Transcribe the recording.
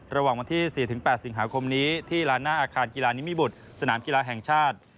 ระหว่างวันที่๔๘สิงหาคมนี้ที่ร้านหน้าอาคารกีฬานิมิบุตรสนามกีฬาแห่งชาติ